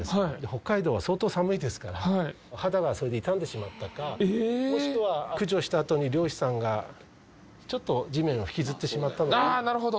北海道は相当寒いですから肌がそれで傷んでしまったかもしくは駆除したあとに猟師さんがちょっと地面を引きずってしまったのか。